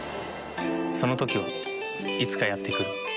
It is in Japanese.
その時はいつかやってくる。